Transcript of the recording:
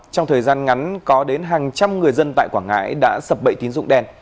trong thời gian ngắn có đến hàng trăm người dân tại quảng ngãi đã sập bẫy tín dụng đen